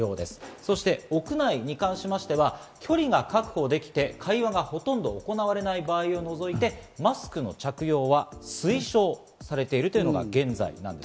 そして屋内に関しましては距離が確保できて、会話がほとんど行われない場合を除いてマスクの着用は推奨されているというのが現在です。